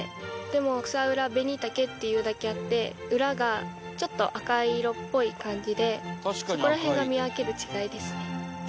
でもクサウラベニタケっていうだけあって裏がちょっと赤い色っぽい感じでそこら辺が見分ける違いですね。